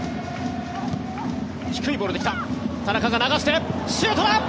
低いボールで来た田中が流して、シュートだ！